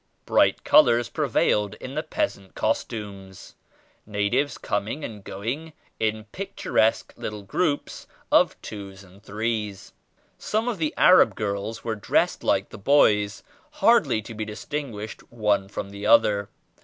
Bright colors prevailed in the peasant costumes; natives coming and going in picturesque little groups of twos and threes. Some of the Arab girls were dressed like the boys, hardly to be distinguished one from the other.